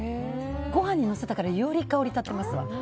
ご飯にのせたからより香り立っています。